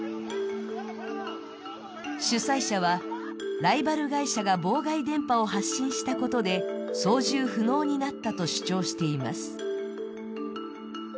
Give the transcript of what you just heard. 主催者は、ライバル会社が妨害電波を発信したことで操縦不能になったと主張しています。